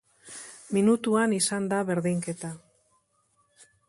Minutuan izan da berdinketa.